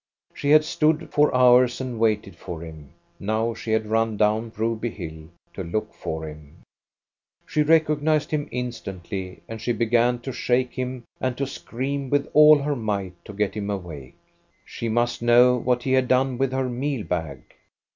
She had stood for hours and waited for him ; now she had run down Broby hill to look for him. INTRODUCTION \J She recognized him instantly, and she began to shake him and to scream with all her might to get him awake. She must know what he had done with her meal bag.